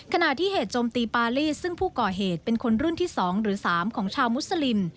เหตุที่เหตุโจมตีปารีสซึ่งผู้ก่อเหตุเป็นคนรุ่นที่๒หรือ๓ของชาวมุสลิม